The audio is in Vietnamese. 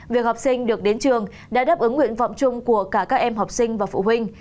việc học sinh được đến trường đã đáp ứng nguyện vọng chung của cả các em học sinh và phụ huynh